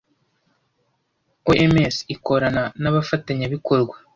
OMS ikorana n’abafatanyabikorwa